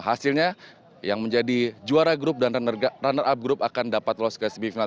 hasilnya yang menjadi juara grup dan runner up group akan dapat lolos ke semifinal